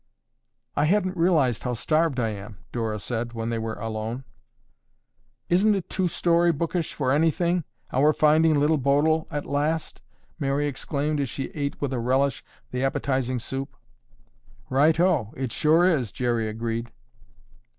"I hadn't realized how starved I am!" Dora said when they were alone. "Isn't it too story bookish for anything, our finding Little Bodil at last?" Mary exclaimed as she ate with a relish the appetizing soup. "Righto. It sure is," Jerry agreed.